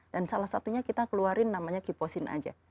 dan salah satunya kita keluarin namanya kiposin aja